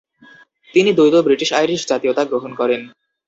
তিনি দ্বৈত ব্রিটিশ-আইরিশ জাতীয়তা গ্রহণ করেন।